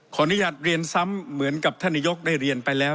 ขออนุญาตเรียนซ้ำเหมือนกับท่านนายกได้เรียนไปแล้ว